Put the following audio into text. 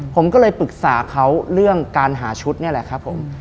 ผมก็เลยปรึกษาเขาเรื่องการหาชุดนี่แหละครับผม